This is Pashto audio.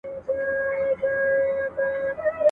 نننۍ نجوني د پرون په پرتله ډېر امکانات لري.